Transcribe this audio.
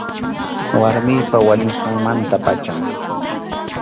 Warmiypa wañusqanmanta pacham.